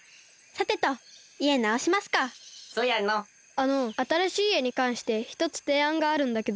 あのあたらしいいえにかんしてひとつていあんがあるんだけど。